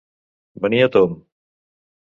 Venir a tomb.